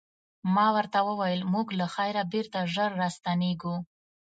ما ورته وویل موږ له خیره بېرته ژر راستنیږو.